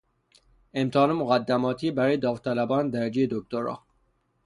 امتحان مقدماتی برای داوطلبان درجهی دکتری